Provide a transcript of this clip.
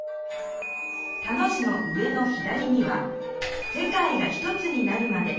田の字の上の左には「世界がひとつになるまで」。